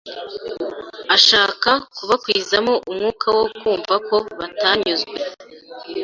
ashaka kubakwizamo umwuka wo kumva ko batanyuzwe.